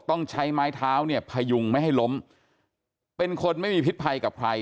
ต้องใช้ไม้เท้าเนี่ยพยุงไม่ให้ล้มเป็นคนไม่มีพิษภัยกับใคร